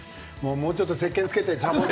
もうちょっとせっけんつけて。